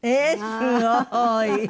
すごい！